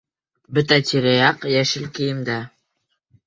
Бөтә тирә-яҡ йәшел кейемдә.